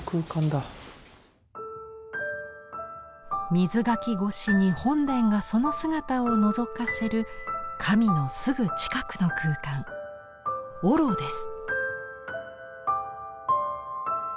瑞垣越しに本殿がその姿をのぞかせる神のすぐ近くの空間御廊です。